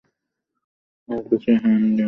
আমি তো ঐ অ্যান্ডি নামের ছোকরার কথা ভাবছিলাম।